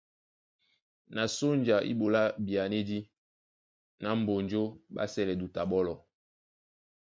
Na sónja é ɓolá byanédí ná Mbonjó ɓá sɛ́lɛ duta ɓɔ́lɔ.